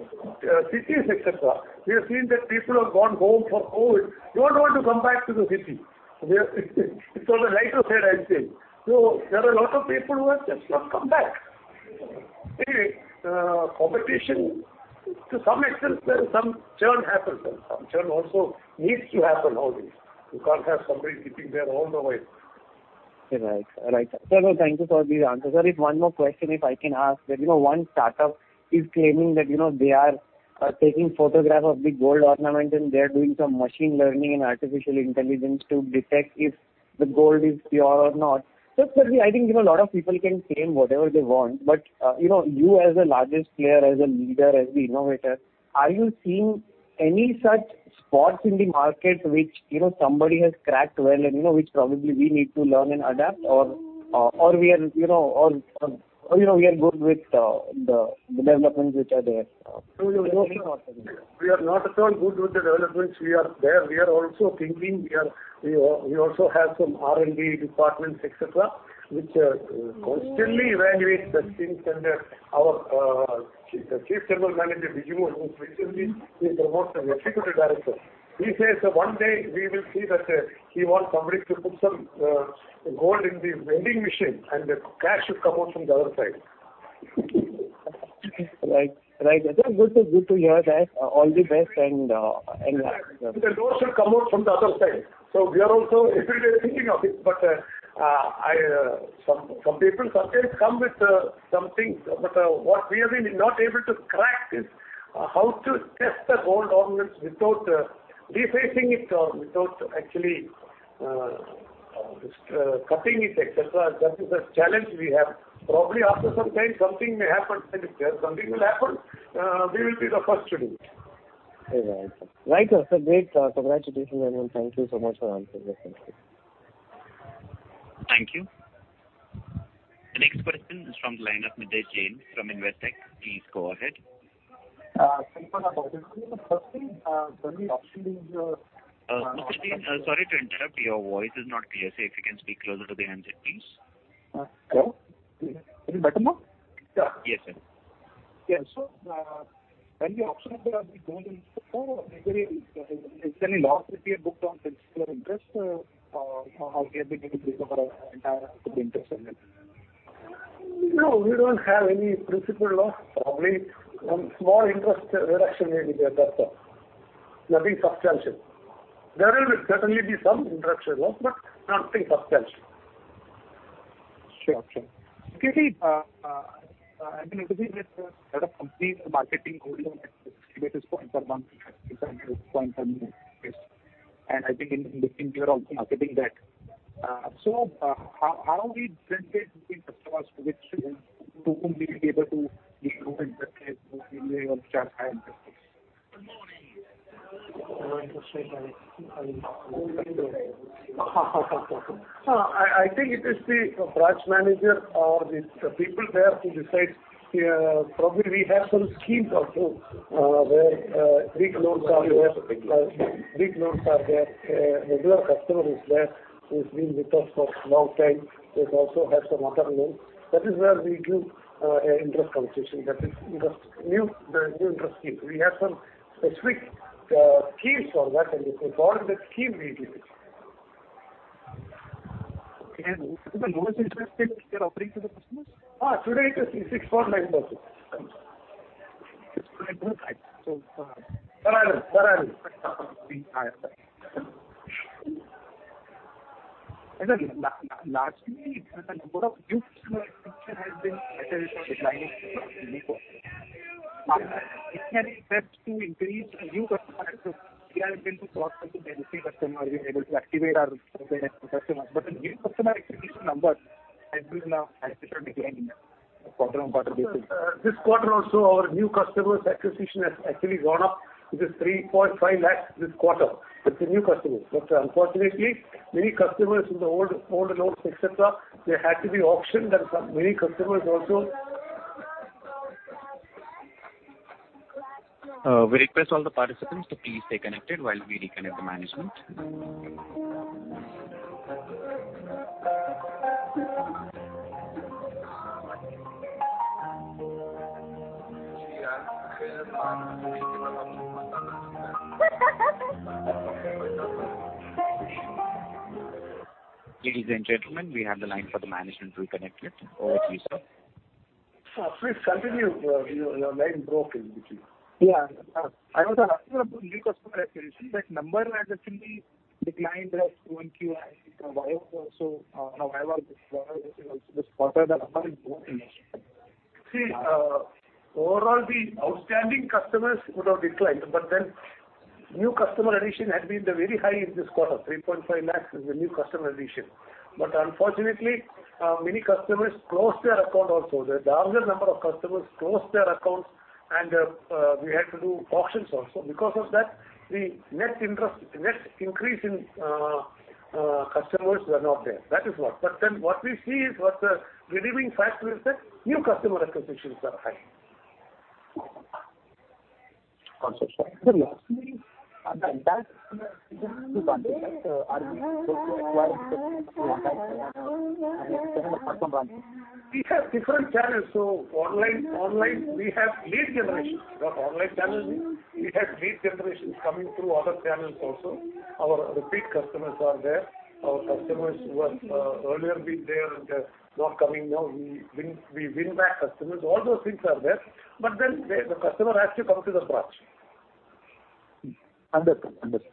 cities, et cetera. We have seen that people have gone home for COVID, don't want to come back to the city. We have, it's on the lighter side, I'm saying. There are a lot of people who have just not come back. Anyway, competition to some extent, there is some churn happens, and some churn also needs to happen always. You can't have somebody sitting there all the while. Right. Sir, thank you for these answers. Sir, if I can ask one more question that, you know, one startup is claiming that, you know, they are taking photograph of the gold ornament and they are doing some machine learning and artificial intelligence to detect if the gold is pure or not. Just that, I think, you know, a lot of people can claim whatever they want, but, you know, you as the largest player, as a leader, as the innovator, are you seeing any such spots in the market which, you know, somebody has cracked well and, you know, which probably we need to learn and adapt or we are good with the developments which are there? We are not at all bad with the developments. We are there. We are also thinking. We also have some R&D departments, et cetera, which constantly evaluate the things and our chief general manager, Biju, who was recently promoted to Executive Director. He says that one day we will see that he wants somebody to put some gold in the vending machine and the cash should come out from the other side. Right. That's good to hear that. All the best and yeah. The gold should come out from the other side. We are also every day thinking of it, but I, some people sometimes come with some things, but what we have been not able to crack is how to test the gold ornaments without defacing it or without actually just cutting it, et cetera. That is the challenge we have. Probably after some time something may happen and if there's something that will happen, we will be the first to do it. Right. That's great, congratulations and thank you so much for answering the questions. Thank you. Next question is from the line of Nidhesh Jain from Investec. Please go ahead. Firstly, when the auction is Mr. Jain, sorry to interrupt. Your voice is not clear, sir. If you can speak closer to the handset, please. Hello. Is it better now? Yes, sir. Yeah. When the auction of the loan is before, is any loss to be booked on principal interest? You know, how we are beginning to recover entire interest on it. No, we don't have any principal loss. Probably some small interest reduction may be there, that's all. Nothing substantial. There will certainly be some interest loss, but nothing substantial. Sure. Okay. I mean, obviously with a lot of companies marketing only on basis points per month. Yes. I think in this thing you are also marketing that. So, how do we differentiate between customers with, to whom we will be able to give low interest rates or charge high interest? I think it is the branch manager or the people there who decide. Yeah, probably we have some schemes also, where big loans are there. Big loans are there. Regular customer is there, who's been with us for long time, who also has some other loans. That is where we give interest concession. That is the new interest scheme. We have some specific schemes for that. If they borrow that scheme, we give it. Okay. What is the lowest interest rate you're offering to the customers? Today it is 6.9%. 6.9. Around. Largely the number of new customer acquisition has been declining quarter on quarter. What are the steps to increase the new customer acquisition? We have been through process of existing customer. We are able to activate our customers. The new customer acquisition numbers has been declining quarter on quarter basis. This quarter also our new customers acquisition has actually gone up. It is 3.5 lakh this quarter. It's a new customer. Unfortunately many customers in the old loans, etc., they had to be auctioned and so many customers also. We request all the participants to please stay connected while we reconnect the management. Ladies and gentlemen, we have the line for the management reconnected. Over to you, sir. Please continue. Your line broke in between. Yeah. I was asking about new customer acquisition. That number has actually declined in Q1, Q2. Why was this quarter the number is more in this quarter? See, overall the outstanding customers would have declined, but then new customer addition had been the very high in this quarter. 3.5 lakh is the new customer addition. Unfortunately, many customers closed their account also. The larger number of customers closed their accounts and we had to do auctions also. Because of that, the net increase in customers were not there. That is what. What we see is what the redeeming factor is that new customer acquisitions are high. Got you, sir. The entire existing customers, are we going to acquire interest from the entire portfolio? I mean the channel of customer acquisition. We have different channels. Online we have lead generation. We have online channels. We have lead generations coming through other channels also. Our repeat customers are there. Our customers who have earlier been there and not coming now, we win back customers. All those things are there. The customer has to come to the branch. Understood. Thank you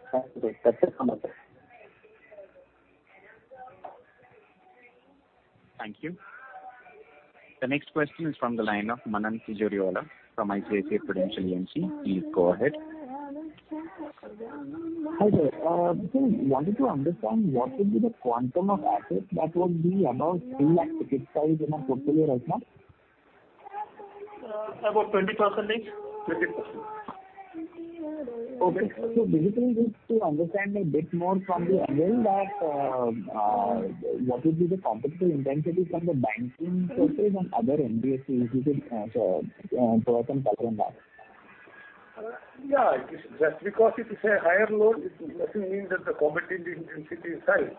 so much. Thank you. The next question is from the line of Manan Tijoriwala from ICICI Prudential AMC. Please go ahead. Hi, sir. Just wanted to understand what would be the quantum of assets that would be above INR 3 lakh ticket size in our portfolio right now? About INR 20,000 is ticket size. Okay. Basically just to understand a bit more from the angle that, what would be the competitive intensity from the banking sector and other NBFCs who could borrow from secondary market? Yeah. Just because it is a higher loan, it doesn't mean that the competitive intensity is high.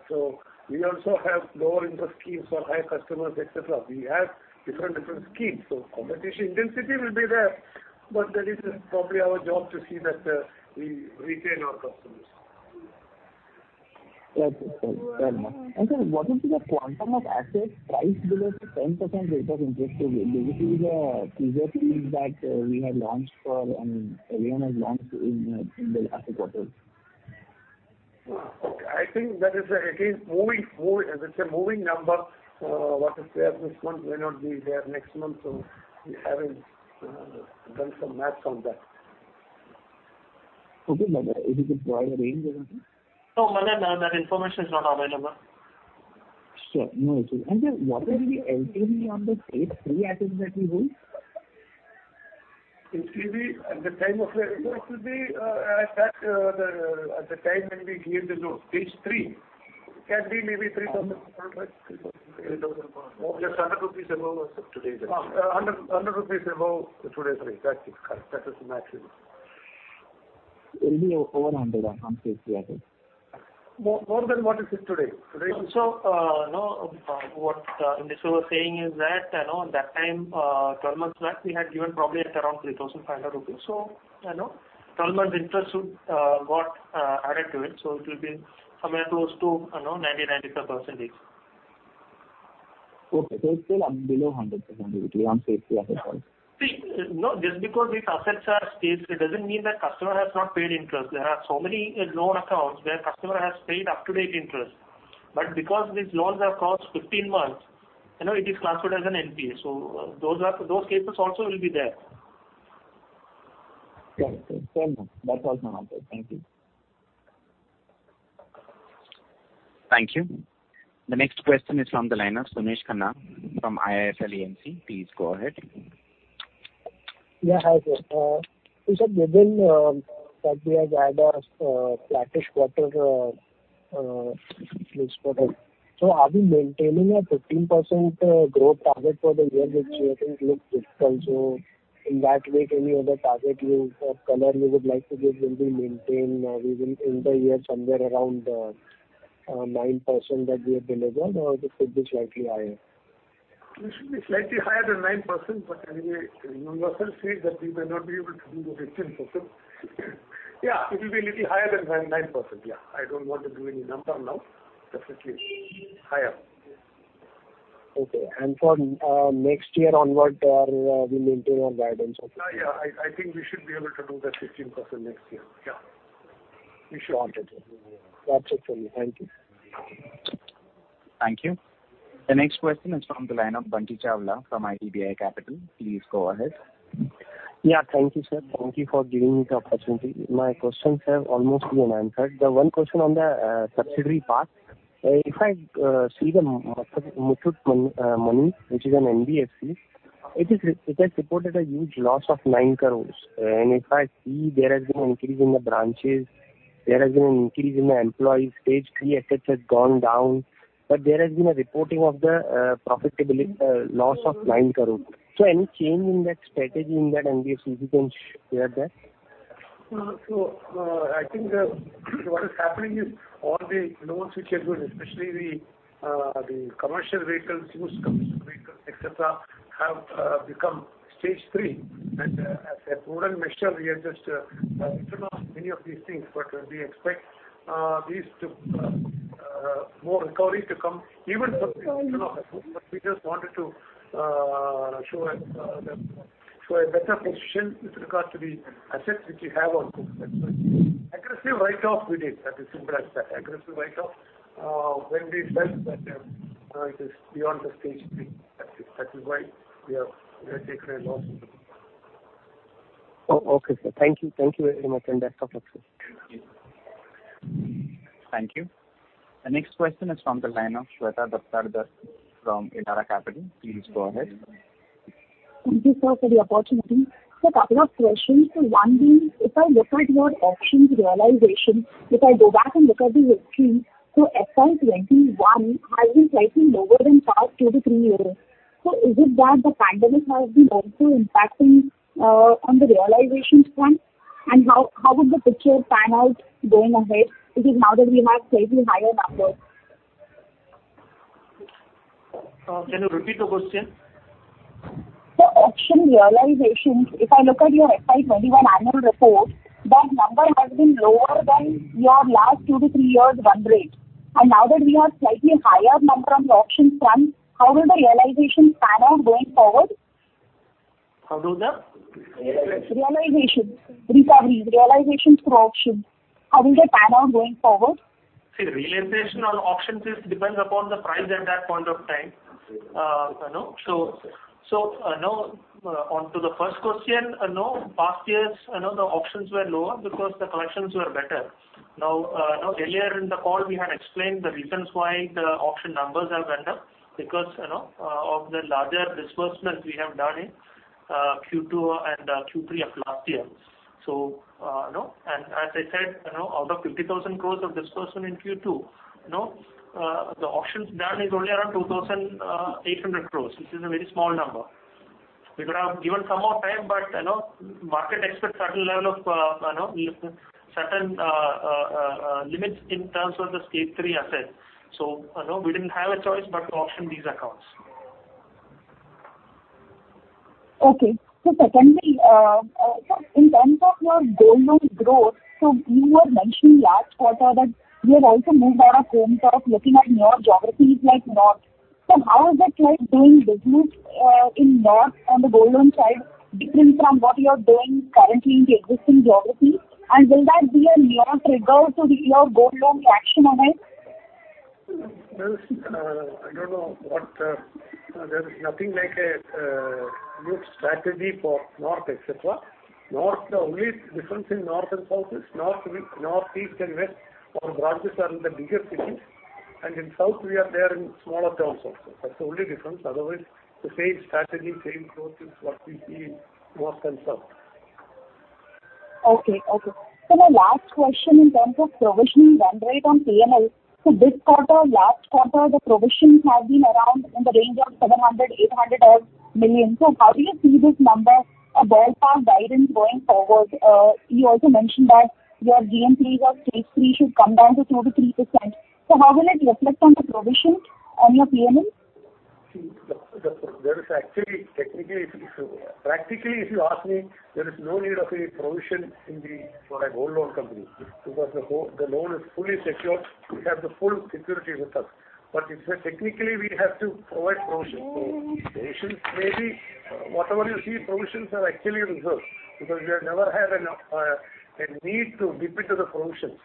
We also have lower interest schemes for high customers, etc. We have different schemes. Competition intensity will be there, but that is just probably our job to see that we retain our customers. Okay. Fair enough. What would be the quantum of assets priced below 10% rate of interest available? This is a pre-emptive that we have launched for, I mean, everyone has launched in the last quarter. I think that is, again, moving, it's a moving number. What is there this month may not be there next month. We haven't done some math on that. Okay. If you could provide a range or something. No, Manan. That information is not available. Sure. No issue. Then what will be the LTV on the Stage 3 assets that we hold? It will be at the time of the report at that time when we give the note. Stage 3 can be maybe 3,005. 3,005. Just 100 rupees above today then. INR 100 above today's rate. That is correct. That is matching. It will be over INR 100 on safety, I think. More than what it is today. Right. No, what Industries was saying is that, you know, at that time, 12 months back, we had given probably at around 3,500 rupees. You know, 12 months interest should got added to it. It will be somewhere close to, you know, 90%-95% each. Okay. It's still LTV below 100%, it will be on safety aspect only. No, just because these assets are staged, it doesn't mean that customer has not paid interest. There are so many loan accounts where customer has paid up-to-date interest. Because these loans have crossed 15 months, you know, it is classified as an NPA. Those cases also will be there. Fair enough. That's also answered. Thank you. Thank you. The next question is from the line of Sunesh Khanna from IIFL AMC. Please go ahead. Yeah, hi, sir. Given that we have had a flattish quarter, this quarter. Are we maintaining a 15% growth target for the year which we think looks difficult? In that way, any other target or color you would like to give, will we maintain or we will end the year somewhere around 9% that we have delivered, or it could be slightly higher? It should be slightly higher than 9%, but anyway, you yourself said that we may not be able to do the 15%. Yeah, it will be little higher than 9%. Yeah. I don't want to do any number now. Definitely higher. Okay. For next year onward, are we maintaining our guidance or- Yeah. I think we should be able to do that 15% next year. Yeah. We should. Okay. That's it for me. Thank you. Thank you. The next question is from the line of Bunty Chawla from IDBI Capital. Please go ahead. Yeah. Thank you, sir. Thank you for giving me the opportunity. My questions have almost been answered. The one question on the subsidiary part. If I see the Muthoot Money, which is an NBFC, it has reported a huge loss of 9 crore. If I see there has been an increase in the branches, there has been an increase in the employees. Stage 3 assets has gone down, but there has been a reporting of the profitability loss of INR 9 crore. Any change in that strategy in that NBFC you can share that? No. I think what is happening is all the loans which are good, especially the commercial vehicles, used commercial vehicles, etc., have become Stage 3. As a prudent measure, we have just written off many of these things. We expect more recovery to come even from the written-off account. We just wanted to show a better position with regard to the assets which we have on book. That's why. Aggressive write-off we did. That is as simple as that. Aggressive write-off when we felt that it is beyond Stage 3. That's it. That is why we have taken a loss. Okay, sir. Thank you. Thank you very much. That's all. That's it. Thank you. The next question is from the line of Shweta Daptardar from Elara Capital. Please go ahead. Thank you, sir, for the opportunity. Couple of questions. One being, if I look at your auctions realization, if I go back and look at the history, FY 2021 has been slightly lower than past two, three years. Is it that the pandemic has been also impacting on the realization front? How would the picture pan out going ahead? Is it now that we have slightly higher numbers? Can you repeat the question? Auction realizations, if I look at your FY 2021 annual report, that number has been lower than your last two to three years run rate. Now that we have slightly higher number on the auction front, how will the realization pan out going forward? How will the? Realizations. Recoveries. Realizations through auctions. How will they pan out going forward? See, realization on auctions depends upon the price at that point of time. Now on to the first question. Past years, the auctions were lower because the collections were better. Earlier in the call, we had explained the reasons why the auction numbers have went up because of the larger disbursement we have done in Q2 and Q3 of last year. As I said, out of 50,000 crores of disbursement in Q2, the auctions done is only around 2,800 crores, which is a very small number. We could have given some more time, but market expects certain level of certain limits in terms of the Stage 3 assets. You know, we didn't have a choice but to auction these accounts. Okay. Secondly, in terms of your gold loan growth, you were mentioning last quarter that we have also moved out of home turf looking at newer geographies like North. How is it like doing business in North on the gold loan side different from what you are doing currently in the existing geographies? And will that be a new trigger to your gold loan traction on it? Well, I don't know what there is nothing like a new strategy for North. The only difference in North and South is North, East and West, our branches are in the bigger cities. In South, we are there in smaller towns also. That's the only difference. Otherwise, the same strategy, same growth is what we see in North and South. Okay. My last question in terms of provisioning run rate on P&L. This quarter, last quarter, the provisions have been around in the range of 700-800 million. How do you see this number, a ballpark guidance going forward? You also mentioned that your GNPs of Stage 3 should come down to 2%-3%. How will it reflect on the provision on your P&L? See, there is actually practically, if you ask me, there is no need of a provision for a gold loan company, because the gold loan is fully secured. We have the full security with us. Technically we have to provide provision. The provisions may be whatever you see, provisions are actually reserved because we have never had enough a need to dip into the provisions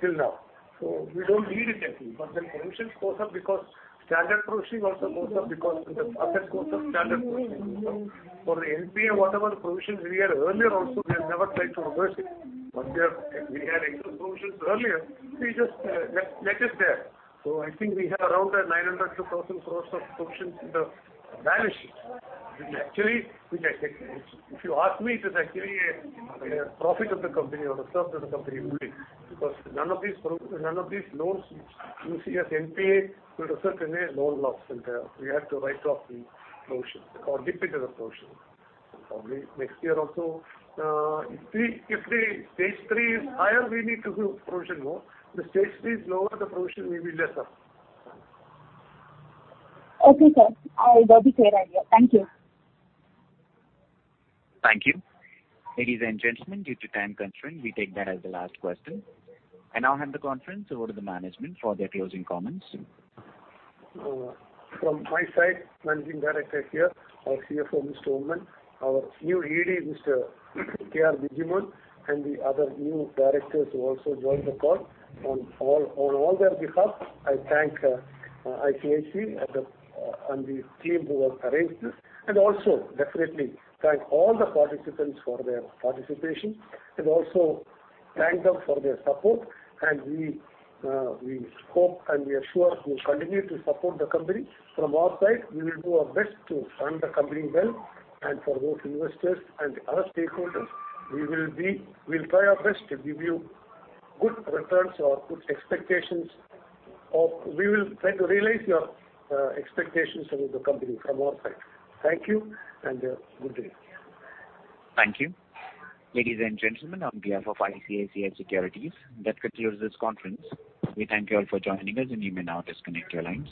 till now. We don't need it actually. The provisions goes up because standard provisioning also goes up because the asset goes up, standard provisioning goes up. For the NPA, whatever provisions we had earlier also, we have never tried to reverse it. We had provisions earlier, we just left it there. I think we have around 900 crore to 1,000 crore of provisions in the balance sheet, which actually, I think, if you ask me, it is actually a profit of the company or the surplus of company only. Because none of these loans you see as NPA will result in a loan loss and we have to write off the provision or dip into the provision. Probably next year also, if the Stage 3 is higher, we need to do provision more. The Stage 3 is lower, the provision will be lesser. Okay, sir. I got the clear idea. Thank you. Thank you. Ladies and gentlemen, due to time constraint, we take that as the last question. I now hand the conference over to the management for their closing comments. From my side, Managing Director here, our CFO, Mr. Oommen, our new ED, Mr. K.R. Bijimon, and the other new directors who also joined the call. On all their behalf, I thank ICICI and the team who have arranged this. I also definitely thank all the participants for their participation and also thank them for their support. We hope and we are sure you'll continue to support the company. From our side, we will do our best to run the company well. For both investors and other stakeholders, we'll try our best to give you good returns or good expectations or we will try to realize your expectations with the company from our side. Thank you and good day. Thank you. Ladies and gentlemen, on behalf of ICICI Securities, that concludes this conference. We thank you all for joining us and you may now disconnect your lines.